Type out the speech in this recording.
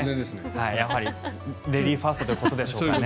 やはりレディーファーストということでしょうかね。